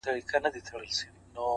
د باد له راتګ مخکې هوا بدلېږي!.